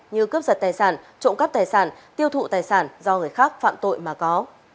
như cướp giật tài sản trộm cắp tài sản tiêu thụ tài sản do người khác phạm tội mà có